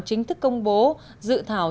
chính thức công bố dự thảo